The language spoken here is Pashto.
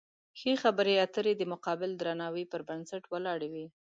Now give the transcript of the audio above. ښې خبرې اترې د متقابل درناوي پر بنسټ ولاړې وي.